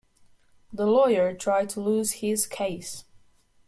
The lawyer tried to lose his case.